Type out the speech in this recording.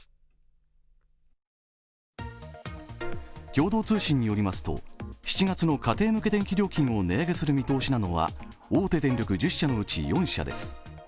共同通信によりますと７月の家庭向け電気料金を値上げする見通しなのは大手電力１０社のうち４社です。